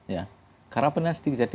ya karena peminatnya sedikit